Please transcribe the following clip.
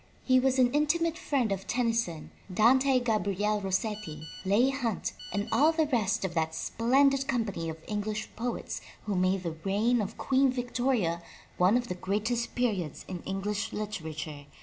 He was an intimate friend of Tennyson, Dante Gabriel Rossetti, Leigh Hunt and all the rest of that splendid company of English poets who made the reign of Queen Victoria one of the greatest periods in English literature.